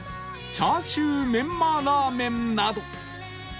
チャーシューメンマラーメンなど